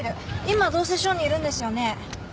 今どうせ署にいるんですよね？